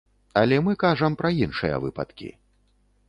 Але мы кажам пра іншыя выпадкі.